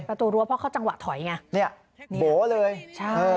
ประตูรั้วเพราะเขาจังหวะถอยไงเนี่ยโบ๋เลยใช่เออ